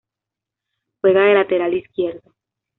Juega de Lateral Izquierdo.